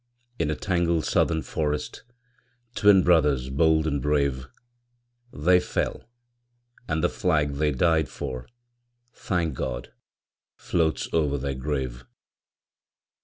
In a tangled Southern forest, Twin brothers bold and brave, They fell; and the flag they died for, Thank God! floats over their grave.